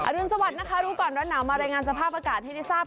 รุนสวัสดิ์นะคะรู้ก่อนร้อนหนาวมารายงานสภาพอากาศให้ได้ทราบ